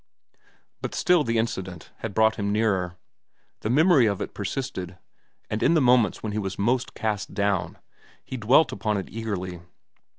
But still the incident had brought him nearer. The memory of it persisted, and in the moments when he was most cast down, he dwelt upon it eagerly.